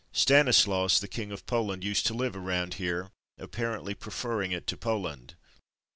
Stanislaus, the King of Poland, used to live around here, apparently preferring it to Poland.